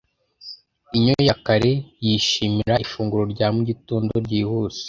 inyo ya kare yishimira ifunguro rya mugitondo ryihuse